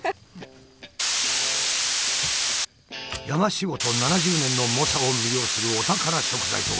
山仕事７０年の猛者を魅了するお宝食材とは。